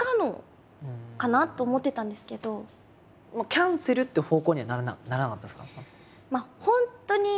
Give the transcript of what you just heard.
キャンセルって方向にはならなかったんですか？